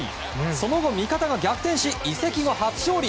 その後、味方が逆転し移籍後初勝利！